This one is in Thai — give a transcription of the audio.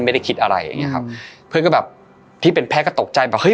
ไม่ได้คิดอะไรอย่างเงี้ครับเพื่อนก็แบบที่เป็นแพทย์ก็ตกใจแบบเฮ้